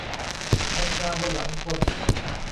ทำนาบนหลังคน